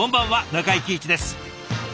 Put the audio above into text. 中井貴一です。